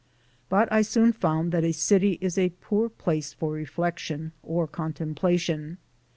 But I soon found that a city is a poor place for reflection or contemplation.